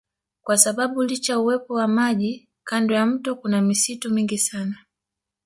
Kwa sababu licha uwepo wa maji kando ya mto kuna misitu mingi sana